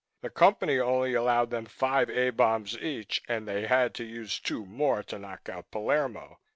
The Company only allowed them five A bombs each, and they had to use two more to knock out Palermo.